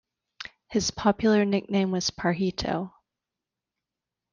His popular nickname was "Pajarito".